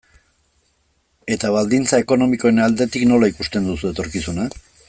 Eta baldintza ekonomikoen aldetik, nola ikusten duzu etorkizuna?